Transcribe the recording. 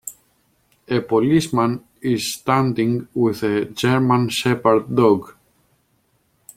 A policeman is standing with a German Shepherd dog.